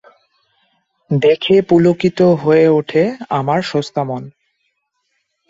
দেখে পুলকিত হয়ে ওঠে আমার সমস্ত মন।